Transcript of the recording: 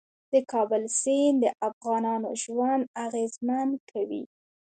د کابل سیند د افغانانو ژوند اغېزمن کوي.